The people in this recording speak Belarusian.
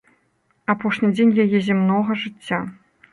Апошні дзень яе зямнога жыцця.